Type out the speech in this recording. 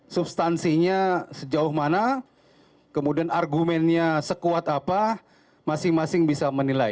substansinya sejauh mana kemudian argumennya sekuat apa masing masing bisa menilai